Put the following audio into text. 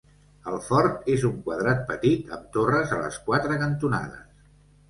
El fort és un quadrat petit amb torres a les quatre cantonades.